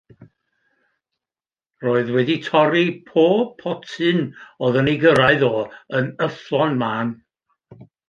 Roedd wedi torri pob potyn oedd yn ei gyrraedd o yn yfflon mân.